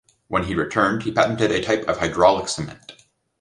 When he returned he patented a type of hydraulic cement.